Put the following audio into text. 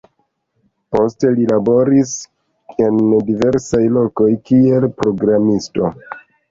Poste li laboris en diversaj lokoj kiel programisto.